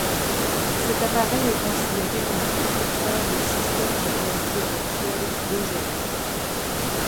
Cet appareil est considéré comme le précurseur des systèmes de réalité virtuelle d'aujourd'hui.